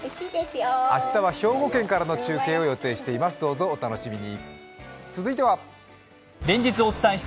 明日は兵庫県からの中継を予定しています、お楽しみに。